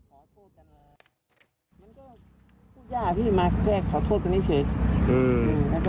มันก็ยากที่มาแทรกขอโทษกันให้เสร็จ